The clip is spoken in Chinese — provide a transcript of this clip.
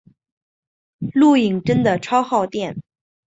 录影真的超耗电